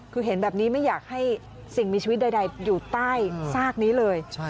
คือเห็นแบบนี้ไม่อยากให้สิ่งมีชีวิตใดอยู่ใต้ซากนี้เลย